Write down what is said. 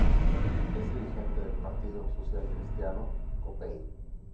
Es dirigente del partido socialcristiano Copei.